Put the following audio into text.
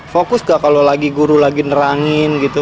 fokus gak kalau lagi guru lagi nerangin gitu